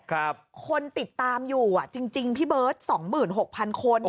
คนติดตามอยู่จริงพี่เบิร์ต๒๖๐๐๐คน